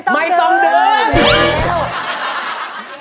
ไมโต๊งดึม